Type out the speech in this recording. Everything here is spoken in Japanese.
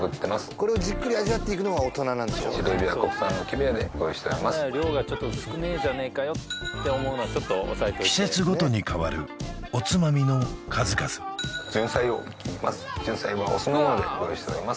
これをじっくり味わっていくのが大人なんでしょシベリア産のキャビアでご用意しております量がちょっと少ねえじゃねえかよって思うのはちょっと抑えておいて季節ごとに変わるおつまみの数々蓴菜をまず蓴菜はお酢のものでご用意しております